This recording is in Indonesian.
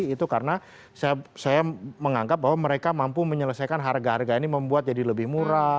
itu karena saya menganggap bahwa mereka mampu menyelesaikan harga harga ini membuat jadi lebih murah